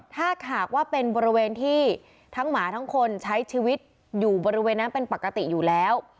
ถ้าหากว่าเป็นบริเวณที่ทั้งหมาทั้งคนใช้ชีวิตอยู่บริเวณนั้นเป็นปกติอยู่แล้ว